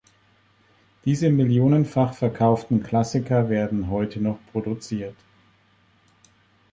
Diese millionenfach verkauften Klassiker werden heute noch produziert.